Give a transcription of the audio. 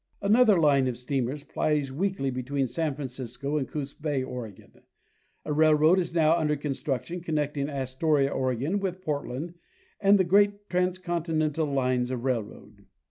Another line of steamers plies weekly between San Francisco and Coos bay, Oregon. A railroad is now under construction connecting As toria, Oregon, with Portland and the great transcontinental lines of railroad.